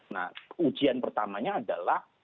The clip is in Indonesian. nah ujian pertamanya adalah